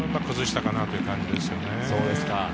そこを崩したかなという感じですね。